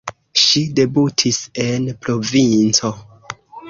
Ŝi debutis en provinco.